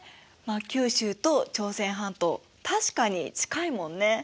九州と朝鮮半島確かに近いもんね。